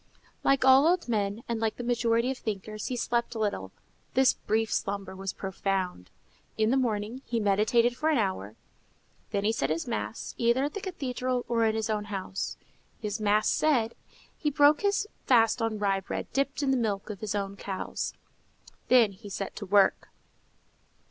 Like all old men, and like the majority of thinkers, he slept little. This brief slumber was profound. In the morning he meditated for an hour, then he said his mass, either at the cathedral or in his own house. His mass said, he broke his fast on rye bread dipped in the milk of his own cows. Then he set to work.